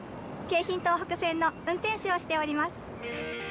京浜東北線の運転士をしております！